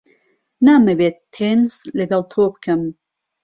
نامەوێت تێنس لەگەڵ تۆ بکەم.